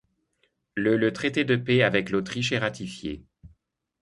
Le le traité de paix avec l’Autriche est ratifié.